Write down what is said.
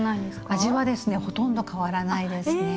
味はですねほとんど変わらないですね。